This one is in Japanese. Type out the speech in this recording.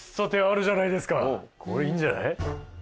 これいいんじゃない？